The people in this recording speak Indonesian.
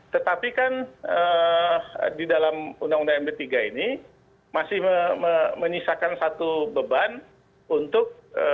tetapi kan di dalam undang undang md tiga ini masih menyisakan satu beban untuk